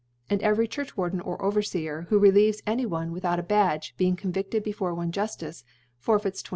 And every Churchwarden * or Overfeer who relieves any one without ^ fuch a Badge, being convifted before one * Juflice, forfeits 20 j.